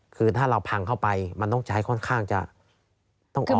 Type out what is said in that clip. คือถ้าเราพังเข้าไปมันต้องใช้ค่อนข้างจะต้องเอา